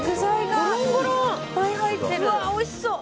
おいしそう！